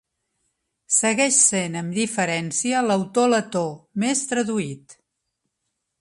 Segueix sent amb diferència l'autor letó més traduït.